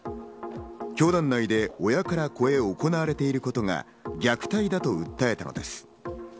教団内で親から子へ行われていることが虐待だと訴えたのです。